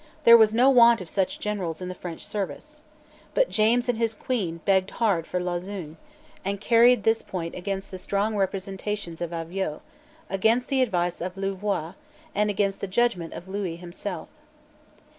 There was no want of such generals in the French service. But James and his Queen begged hard for Lauzun, and carried this point against the strong representations of Avaux, against the advice of Louvois, and against the judgment of Lewis himself.